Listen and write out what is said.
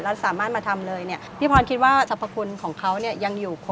แล้วสามารถมาทำเลยเนี่ยพี่พรคิดว่าสรรพคุณของเขาเนี่ยยังอยู่